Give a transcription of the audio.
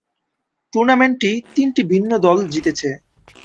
টুর্নামেন্টটি তিনটি ভিন্ন দল জিতেছে।